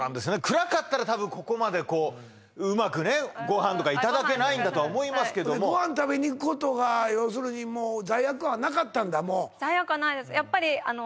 暗かったら多分ここまでこううまくねご飯とかいただけないんだとは思いますけどもご飯食べに行くことが要するにもう罪悪感はなかったんだ？